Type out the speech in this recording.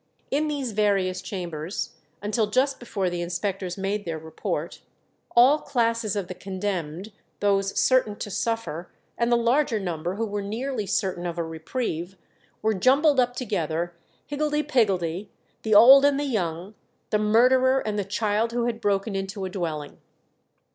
In these various chambers, until just before the inspectors made their report, all classes of the condemned, those certain to suffer, and the larger number who were nearly certain of a reprieve, were jumbled up together, higgledy piggledy, the old and the young, the murderer and the child who had broken into a dwelling.